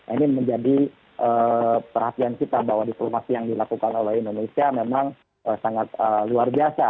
ini menjadi perhatian kita bahwa diplomasi yang dilakukan oleh indonesia memang sangat luar biasa